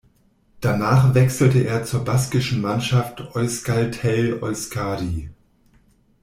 Danach wechselte er zur baskischen Mannschaft Euskaltel-Euskadi.